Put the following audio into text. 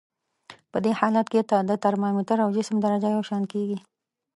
په دې حالت کې د ترمامتر او جسم درجه یو شان کیږي.